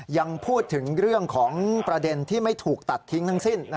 ยังพูดถึงเรื่องของประเด็นที่ไม่ถูกตัดทิ้งทั้งสิ้น